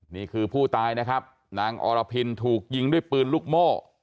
นี่คือผู้ตายนะครับนางอรพินถูกยิงด้วยปืนลูกโม่